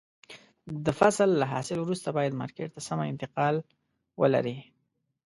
د فصل له حاصل وروسته باید مارکېټ ته سمه انتقال ولري.